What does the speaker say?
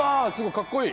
かっこいい！